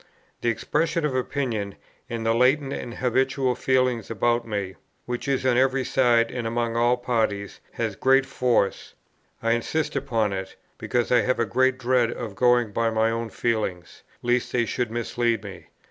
The expression of opinion, and the latent and habitual feeling about me, which is on every side and among all parties, has great force. I insist upon it, because I have a great dread of going by my own feelings, lest they should mislead me.